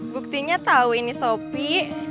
buktinya tau ini sopi